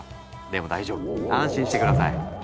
でも大丈夫安心して下さい。